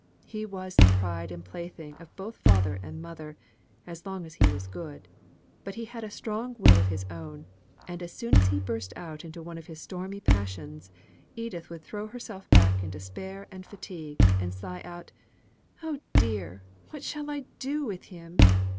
He was the pride and plaything of both father and mother, as long as he was good; but he had a strong will of his own, and as soon as he burst out into one of his stormy passions, Edith would throw herself back in despair and fatigue, and sigh out, "Oh dear, what shall I do with him!